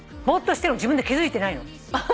ボーッとしてるのも自分で気付いてないの。